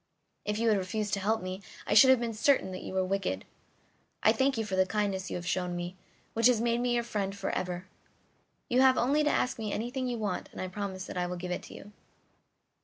If you had refused to help me I should have been certain that you were wicked. I thank you for the kindness you have shown me, which has made me your friend for ever. You have only to ask me for anything you want and I promise that I will give it to you."